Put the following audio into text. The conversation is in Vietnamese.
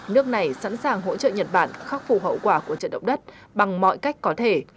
nước này sẵn sàng hỗ trợ nhật bản khắc phục hậu quả của trận động đất bằng mọi cách có thể